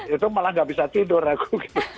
itu malah gak bisa tidur aku